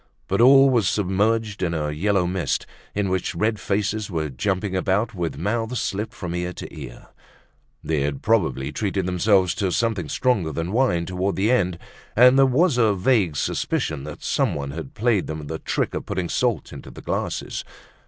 But all was submerged in a yellow mist, in which red faces were jumping about, with mouths slit from ear to ear. They had probably treated themselves to something stronger than wine towards the end, and there was a vague suspicion that some one had played them the trick of putting salt into the glasses.